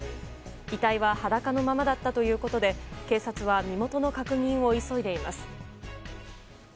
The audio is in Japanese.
遺体は裸のままだったということで警察は身元の確認を急いでいます。